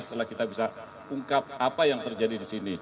setelah kita bisa ungkap apa yang terjadi di sini